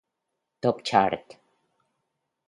Top Chart